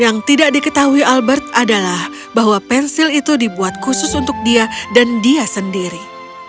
yang tidak diketahui albert adalah bahwa pensil itu dibuat khusus untuk dia dan dia sendiri